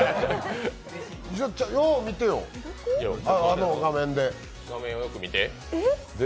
よう見てよ、あの画面で。